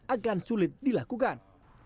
akan sulit dilakukan